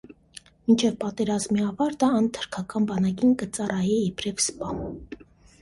Մինչեւ պատերազմի աւարտը ան թրքական բանակին կը ծառայէ իբրեւ սպայ։